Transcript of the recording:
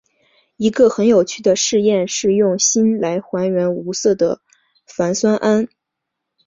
一个很有趣的试验是用锌来还原无色的钒酸铵。